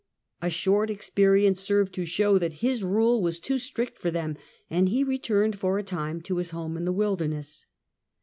A short experience served to show that his rule was too strict for them, and he returned for a time to his home in the wilderness.